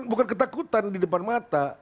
bukan ketakutan di depan mata